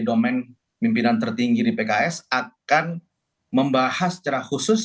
jadi domen pimpinan tertinggi di pks akan membahas secara khusus